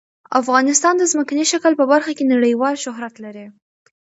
افغانستان د ځمکنی شکل په برخه کې نړیوال شهرت لري.